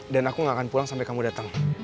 dan aku gak akan pulang sampe kamu dateng